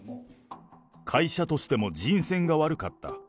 会社としても人選が悪かった。